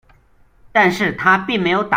但是他并没有打着正义的名号。